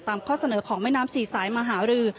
ข้อเสนอของแม่น้ำสี่สายมหารือ